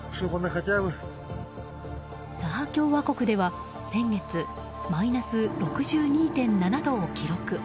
サハ共和国では、先月マイナス６２．７度を記録。